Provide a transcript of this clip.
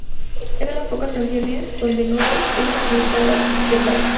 Es de las pocas canciones donde Noodle es acreditada de vocales.